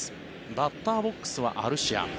バッターボックスはアルシア。